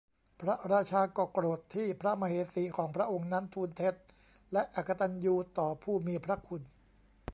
พระราชาก็โกรธที่พระมเหสีของพระองค์นั้นทูลเท็จและอกตัญญูต่อผู้มีพระคุณ